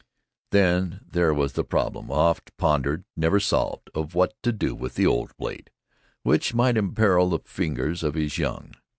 Then there was the problem, oft pondered, never solved, of what to do with the old blade, which might imperil the fingers of his young.